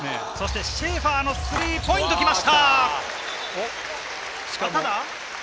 シェーファーのスリーポイントが来ました。